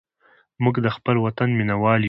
موږ د خپل وطن مینهوال یو.